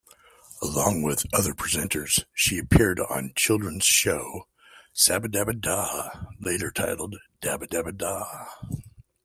Along with other presenters she appeared on children's show "Sabadabada", later titled "Dabadabada".